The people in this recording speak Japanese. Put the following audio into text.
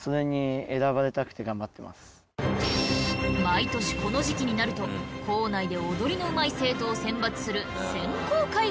毎年この時期になると校内で踊りのうまい生徒を選抜する選考会が行われるのです。